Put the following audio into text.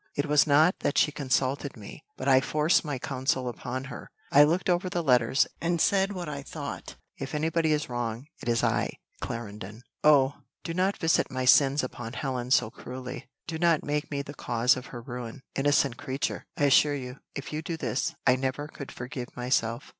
It was not that she consulted me, but I forced my counsel upon her. I looked over the letters, and said what I thought if anybody is wrong, it is I, Clarendon. Oh, do not visit my sins upon Helen so cruelly! do not make me the cause of her ruin, innocent creature! I assure you, if you do this, I never could forgive myself."